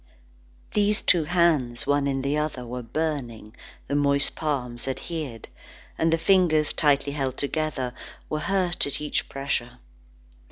These two hands, one in the other, were burning; the moist palms adhered, and the fingers tightly held together, were hurt at each pressure.